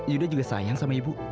yuda juga sayang sama ibu